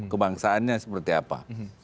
kebangsaannya seperti apa